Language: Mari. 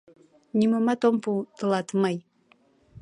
«Нимомат ом пу тылат мый!